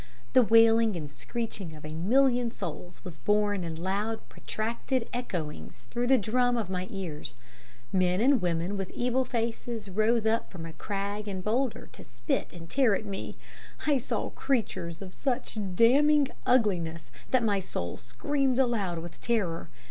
The wailing and screeching of a million souls was borne in loud protracted echoings through the drum of my ears. Men and women with evil faces rose up from crag and boulder to spit and tear at me. I saw creatures of such damning ugliness that my soul screamed aloud with terror.